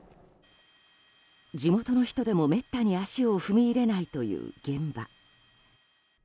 地元の人でもめったに足を踏み入れないという現場。